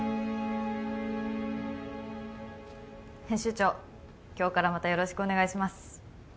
編集長今日からまたよろしくお願いします